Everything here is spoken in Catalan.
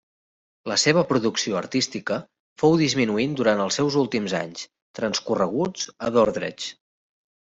La seva producció artística fou disminuint durant els seus últims anys transcorreguts a Dordrecht.